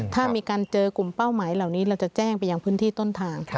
ถ้ามีการเจอกลุ่มเป้าหมายเหล่านี้เราจะแจ้งไปยังพื้นที่ต้นทาง